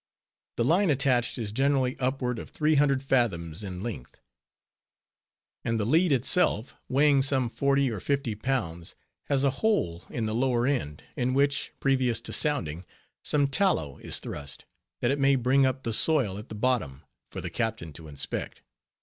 The line attached is generally upward of three hundred fathoms in length; and the lead itself, weighing some forty or fifty pounds, has a hole in the lower end, in which, previous to sounding, some tallow is thrust, that it may bring up the soil at the bottom, for the captain to inspect.